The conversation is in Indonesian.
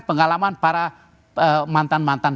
pengalaman para mantan mantan